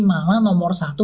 malah nomor satu